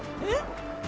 えっ！？